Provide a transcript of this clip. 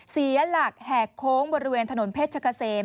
เสียหลักแหกโค้งบริเวณถนนเพชรกะเสม